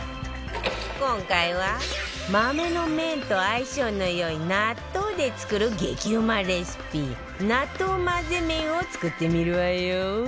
今回は豆の麺と相性の良い納豆で作る激うまレシピ納豆混ぜ麺を作ってみるわよ